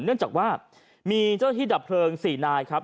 เนื่องจากว่ามีเจ้าที่ดับเพลิง๔นายครับ